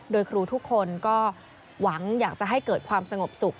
โดยครูทุกคนก็หวังอยากจะให้เกิดความสงบสุข